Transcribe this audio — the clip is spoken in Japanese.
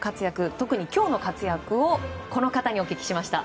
特に今日の活躍をこの方にお聞きしました。